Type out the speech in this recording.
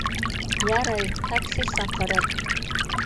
Ярай, такси саҡырыр.